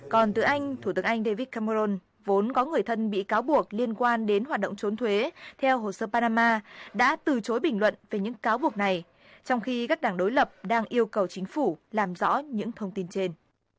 còn từ anh thủ tướng anh david cameron vốn có người thân bị cáo buộc liên quan đến hoạt động trốn thuế theo hồ sơ parama đã từ chối bình luận về những cáo buộc này trong khi các đảng đối lập đang yêu cầu chính phủ làm rõ những thông tin trên